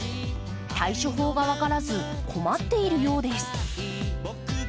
対処法が分からず困っているようです。